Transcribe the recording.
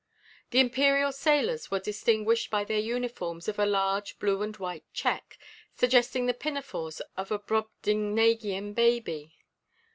The imperial sailors were distinguished by their uniforms of a large blue and white check, suggesting the pinafores of a brobdingnagian baby.